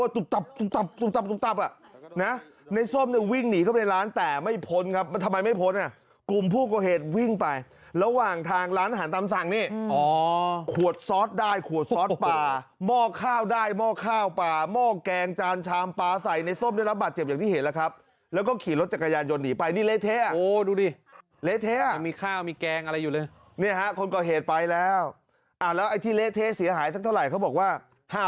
ตุ๊บตับตุ๊บตับตุ๊บตับตุ๊บตับตุ๊บตับตุ๊บตับตุ๊บตับตุ๊บตับตุ๊บตับตุ๊บตับตุ๊บตับตุ๊บตับตุ๊บตับตุ๊บตับตุ๊บตับตุ๊บตับตุ๊บตับตุ๊บตับตุ๊บตับตุ๊บตับตุ๊บตับตุ๊บตับตุ๊บตับตุ๊บตับตุ๊บตับตุ๊บตับตุ๊บตับตุ๊บตับ